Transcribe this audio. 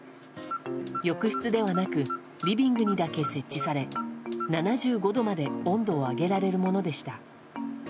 浴室ではなくリビングにだけ設置され７５度まで温度を上げられるものでした。